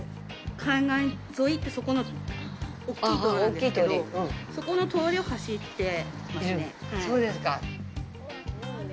海岸沿いってそこの大きい道路なんですけどそこの通りを走ってますね。